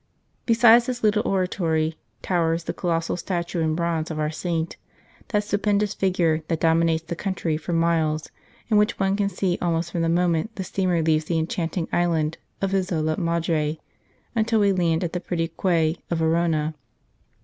Beside this little oratory towers the colossal statue in bronze of our saint, that stupendous figure that dominates the country for miles, and which one can see almost from the moment the steamer leaves the enchanting island of Isola Madre until we land at the pretty quay of Arona.